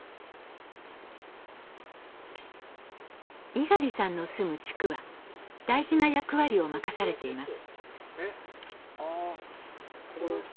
猪狩さんの住む地区は大事な役割を任されています。